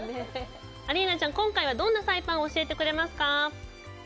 アリーナちゃん、今回はどんなサイパンを教えてくれますか。